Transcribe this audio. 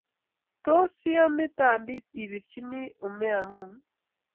tos iame tambit ipirirchini umoingung